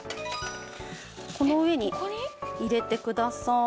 この上に入れてください。